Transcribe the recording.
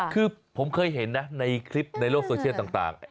คือผมเคยเห็นนะในคลิปในโลกโซเชียลต่าง